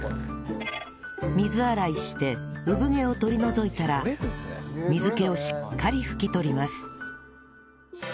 水洗いして産毛を取り除いたら水気をしっかり拭き取ります